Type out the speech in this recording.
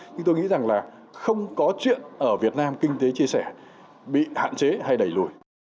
nhưng tôi nghĩ rằng là không có chuyện ở việt nam kinh tế chia sẻ bị hạn chế hay đẩy lùi